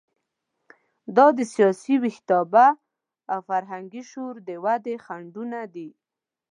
دا د سیاسي ویښتیابه او فرهنګي شعور د ودې خنډونه دي.